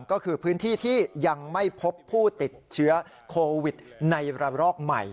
ก็คือพื้นที่ที่ยังไม่พบผู้ติดเชื้อโควิดในระลอกใหม่